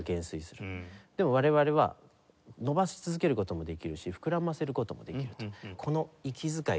でも我々はのばし続ける事もできるし膨らませる事もできるとこの息遣いで。